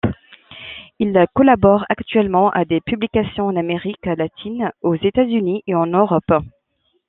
Il collabore actuellement à des publications en Amérique latine, aux États-Unis et en Europe.